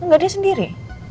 enggak dia sendiri